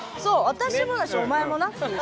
あたしもだしお前もなっていう。